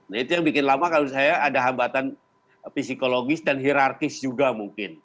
nah itu yang bikin lama kalau saya ada hambatan psikologis dan hirarkis juga mungkin